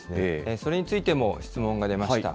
それについても質問が出ました。